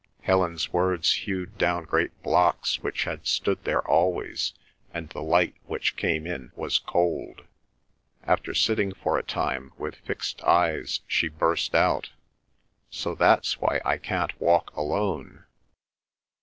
Helen's words hewed down great blocks which had stood there always, and the light which came in was cold. After sitting for a time with fixed eyes, she burst out: "So that's why I can't walk alone!"